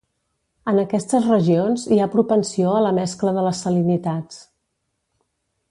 En aquestes regions hi ha propensió a la mescla de les salinitats.